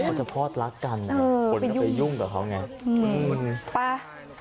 เขาจะพลอดรักกันคนก็ไปยุ่งกับเขาไง